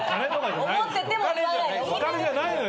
思ってても言わないの。